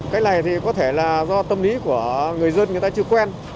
cái này thì có thể là do tâm lý của người dân người ta chưa quen